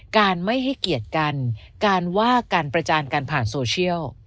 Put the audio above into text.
การไม่ให้เกียรติกันการว่าการประจานกันผ่านโซเชียล